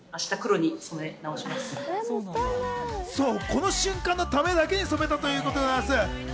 この瞬間のためだけに染めたということでございます。